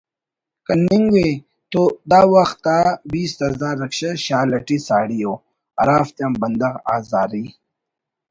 کننگے تو دا وخت آ بیست ہزار رکشہ شال اٹ ساڑی ءُ (ہرافتیان بندغ آزاری